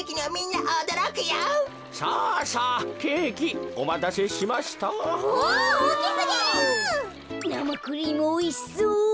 なまクリームおいしそう。